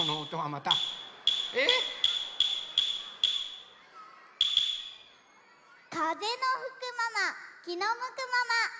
またえっ⁉かぜのふくままきのむくまま。